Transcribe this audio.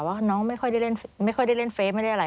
ว่าน้องไม่ค่อยได้เล่นเฟสไม่ได้อะไร